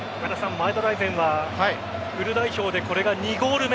前田大然はフル代表でこれが２ゴール目。